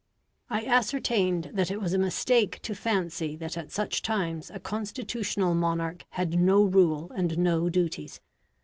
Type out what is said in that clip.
I ascertained that it was a mistake to fancy that at such times a constitutional monarch had no rule and no duties.